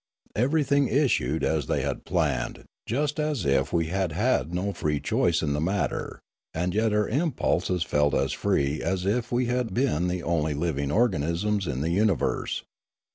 Everything issued as they had planned just as if we had had no free choice in the matter, and yet our impulses felt as free as if we had been the only living organisms in the universe.